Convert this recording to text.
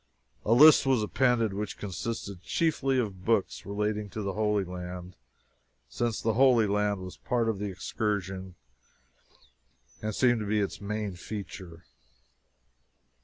A list was appended, which consisted chiefly of books relating to the Holy Land, since the Holy Land was part of the excursion and seemed to be its main feature.